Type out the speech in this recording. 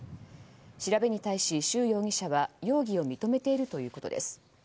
調べに対し、シュウ容疑者は容疑を認めているということです。